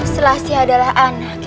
selassie adalah anak kecil